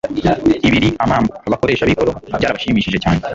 Ibiri amambu abakoresha b'ikoro byarabashimishije cyane.